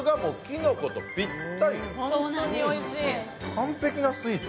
完璧なスイーツ。